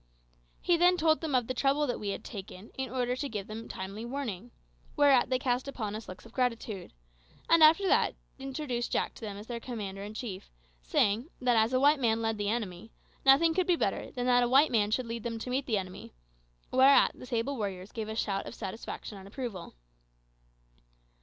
He then told them of the trouble that we had taken, in order to give them timely warning whereat they cast upon us looks of gratitude; and after that introduced Jack to them as their commander in chief, saying, that as a white man led the enemy, nothing could be better than that a white man should lead them to meet the enemy whereat the sable warriors gave a shout of satisfaction and approval.